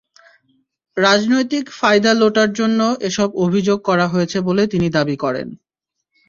রাজনৈতিক ফায়দা লোটার জন্য এসব অভিযোগ করা হয়েছে বলে তিনি দাবি করেন।